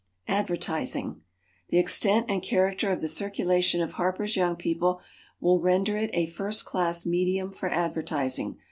ADVERTISING. The extent and character of the circulation of HARPER'S YOUNG PEOPLE will render it a first class medium for advertising.